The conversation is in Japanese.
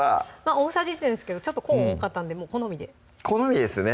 大さじ１なんですけどちょっとコーン多かったんでもう好みで好みですね